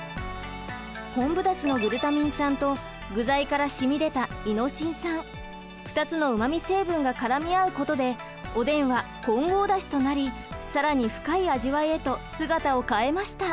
昆布だしのグルタミン酸と具材から染み出たイノシン酸２つのうまみ成分が絡み合うことでおでんは混合だしとなり更に深い味わいへと姿を変えました。